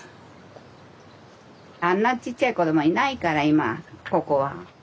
あんなちっちゃい子供はいないから今ここは。